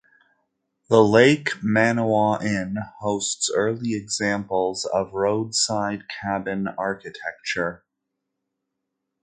The Lake Manawa Inn hosts early examples of roadside cabin architecture.